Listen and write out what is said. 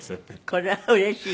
「こりゃうれしい」。